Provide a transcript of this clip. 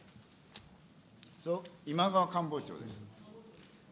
今川官房長です。